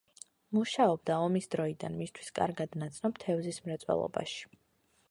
მუშაობდა ომის დროიდან მისთვის კარგად ნაცნობ თევზის მრეწველობაში.